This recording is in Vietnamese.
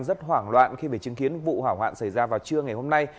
rất hoảng loạn khi phải chứng kiến vụ hỏa hoạn xảy ra vào trưa ngày hôm nay